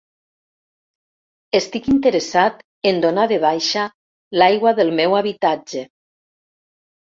Estic interessat en donar de baixa l'aigua del meu habitatge.